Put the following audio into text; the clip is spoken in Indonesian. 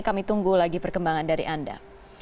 kami tunggu lagi perkembangan dari anda